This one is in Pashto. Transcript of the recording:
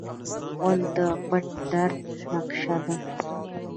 غول د پټ درد نقشه ده.